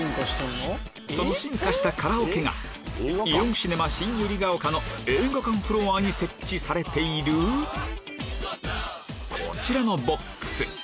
その進化したカラオケがイオンシネマ新百合ヶ丘の映画館フロアに設置されているこちらのボックス